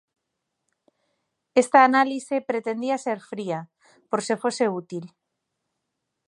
Esta análise pretendía ser fría, por se fose útil.